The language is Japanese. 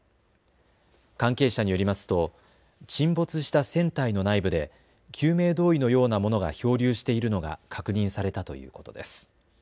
関係者によりますと、沈没した船体の内部で救命胴衣のようなものが漂流しているのが確認されたということです。